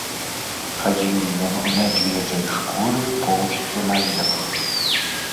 Хадзіў ён у мядзведжай шкуры поўсцю наверх.